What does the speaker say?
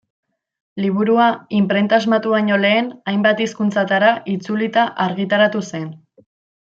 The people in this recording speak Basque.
Liburua inprenta asmatu baino lehen hainbat hizkuntzatara itzulita argitaratu zen.